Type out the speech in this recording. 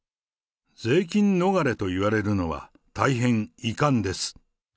税金逃れといわれるのは大変遺憾です。